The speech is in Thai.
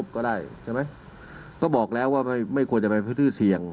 ก็บอกแล้วว่าไม่ควรจะไปพฤทธิ์เสี่ยง